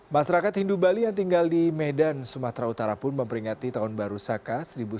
masyarakat hindu bali yang tinggal di medan sumatera utara pun memperingati tahun baru saka seribu sembilan ratus empat puluh